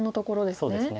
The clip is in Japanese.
そうですね。